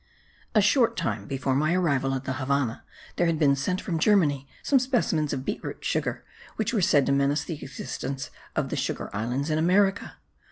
A short time before my arrival at the Havannah there had been sent from Germany some specimens of beet root sugar which were said to menace the existence of the Sugar Islands in America.